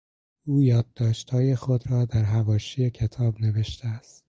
او یادداشتهای خود را در حواشی کتاب نوشته است.